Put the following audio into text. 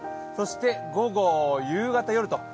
そして午後、夕方、夜と。